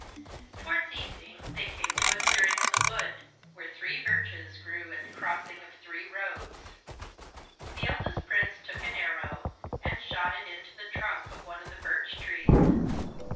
Towards evening they came to a clearing in the wood, where three birches grew at the crossing of three roads. The eldest prince took an arrow, and shot it into the trunk of one of the birch trees.